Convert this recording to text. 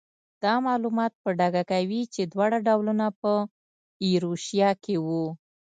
دا معلومات په ډاګه کوي چې دواړه ډولونه په ایروشیا کې وو.